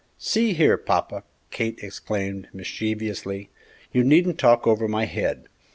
"See here, papa!" Kate exclaimed, mischievously, "you needn't talk over my head!